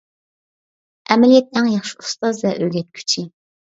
ئەمەلىيەت ئەڭ ياخشى ئۇستاز ۋە ئۆگەتكۈچى.